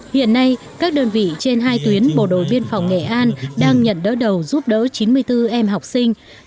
hiện nay các đơn vị trên hai tuyến bộ đội biên phòng nghệ an đang nhận đỡ đầu giúp đỡ chín mươi bốn em học sinh